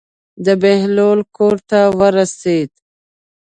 د بهلول کور ته ورسېد.